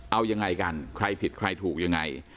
เอายังไงกันใครผิดใครถูกยังไง